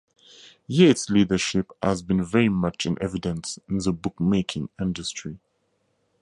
Yates' leadership has been very much in evidence in the bookmaking industry.